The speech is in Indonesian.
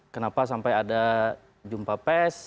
kenapa sampai ada jumpa pes